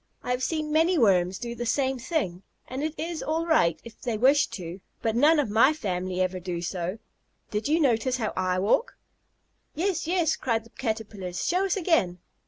I have seen many Worms do the same thing, and it is all right if they wish to, but none of my family ever do so. Did you notice how I walk?" "Yes, yes," cried the Caterpillars, "show us again."